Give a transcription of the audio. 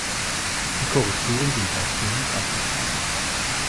Die Korrekturen sind weitgehend abgeschlossen.